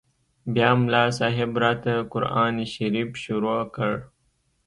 بيا ملا صاحب راته قران شريف شروع کړ.